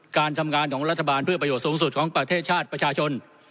การทำงานของรัฐบาลเพื่อประโยชน์สูงสุดของประเทศชาติประชาชน